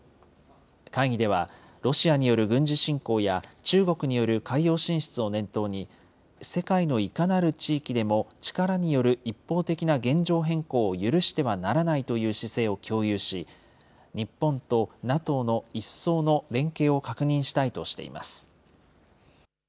会議では、ロシアによる軍事侵攻や、中国による海洋進出を念頭に、世界のいかなる地域でも力による一方的な現状変更を許してはならないという姿勢を共有し、日本とＮＡＴＯの一層の連携を確認したいとしています。